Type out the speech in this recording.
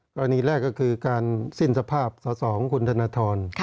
กรณีแรกก็คือการสิ้นสภาพสอสอของคุณธนทร